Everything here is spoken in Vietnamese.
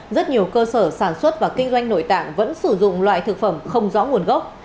rất nhiều cơ sở sản xuất và kinh doanh nội tạng vẫn sử dụng loại thực phẩm không rõ nguồn gốc